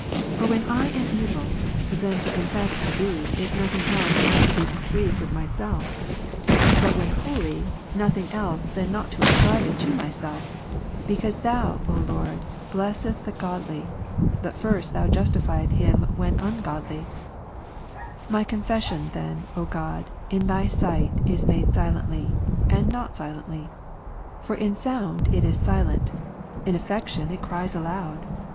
For when I am evil, then to confess to Thee, is nothing else than to be displeased with myself; but when holy, nothing Use of his Confessions. 183 else than not to asci'ibe it to myself: because Thou, O Lord, blessest the godly, but ^v^iT\io\x justijiest him when ungodly, P^ ^'!• Myconfession then, O my God, in Thy sight, is made silently, 5_ "' and not silently. Fox* in sound, it is silent ; in affection, it cries aloud.